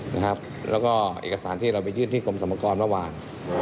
แล้วก็เอกสารที่เราไปยื่นที่กรมสมกรเมื่อวาน